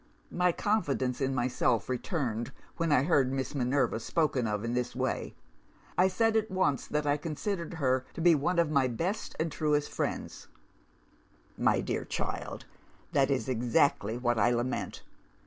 "My confidence in myself returned when I heard Miss Minerva spoken of in this way. I said at once that I considered her to be one of my best and truest friends. "'My dear child, that is exactly what I lament!